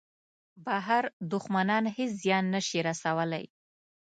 بهر دوښمنان هېڅ زیان نه شي رسولای.